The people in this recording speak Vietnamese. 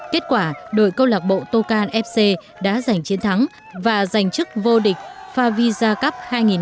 kết quả đội câu lạc bộ tokan fc đã giành chiến thắng và giành chức vô địch favisa cup hai nghìn một mươi tám